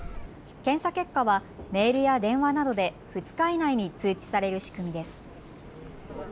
検査結果はメールや電話などで２日以内に通知される仕組みです。